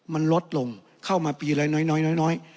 มันลดลงเข้ามาปีละน้อย